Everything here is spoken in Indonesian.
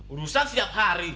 urusan setiap hari